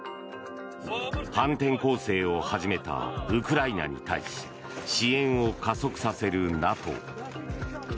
反転攻勢を始めたウクライナに対し支援を加速させるＮＡＴＯ。